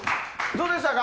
どうでしたか？